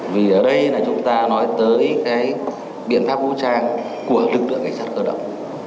vì ở đây là chúng ta nói tới cái biện pháp vũ trang của lực lượng cảnh sát cơ động